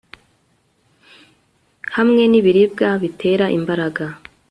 hamwe n'ibiribwa bitera imbaraga